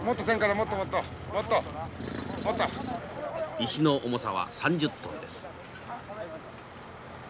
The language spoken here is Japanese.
石の重さは３０トンです。